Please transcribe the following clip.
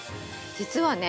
実はね